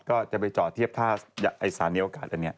ก็จะไปจอดเทียบท่าสถานีอวกาศอันนี้